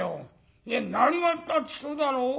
いや何がったってそうだろ？